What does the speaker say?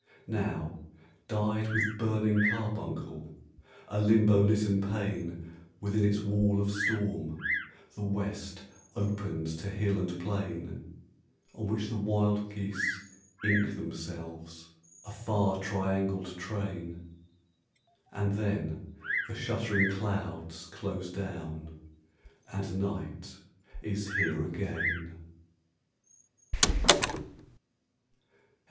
Now, dyed with burning carbuncle, a Limbo litten pane, Within its wall of storm, the West opens to hill and plain, On which the wild geese ink themselves, a far triangled train; And then the shuttering clouds close down and night is here again.